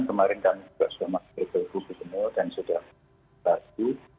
kemarin kami sudah suruh masjid berkembang ke semua dan sudah berhasil